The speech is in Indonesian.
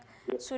tarik lagi semua